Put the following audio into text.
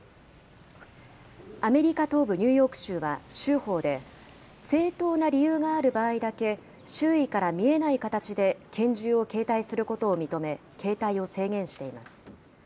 アメリカ東部ニューヨーク州は州法で、正当な理由がある場合だけ、周囲から見えない形で拳銃を携帯することを認め、携帯を制限しています。